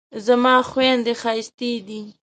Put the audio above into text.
زما خویندې ښایستې دي